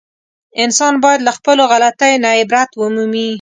انسان باید له خپلو غلطیو نه عبرت و مومي.